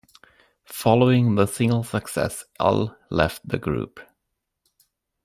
Following the single's success, Elle left the group.